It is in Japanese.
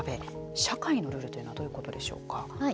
社会のルールというのはどういうことでしょうか。